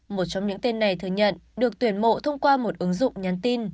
một trong những tên này thừa nhận được tuyển mộ thông qua một ứng dụng nhắn tin